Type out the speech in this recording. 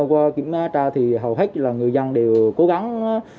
qua kiểm tra thì hầu hết là người dân đều cố gắng